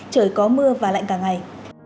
trời có mưa và lạnh cả ngày